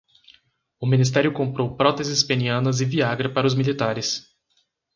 O ministério comprou próteses penianas e Viagra para os militares